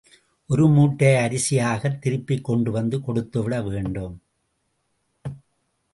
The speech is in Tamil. ஒரு மூட்டை அரிசியாகத் திருப்பிக் கொண்டுவந்து கொடுத்துவிட வேண்டும்.